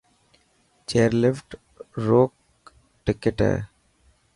چيئرلفٽ روڪ ٽڪٽ هي.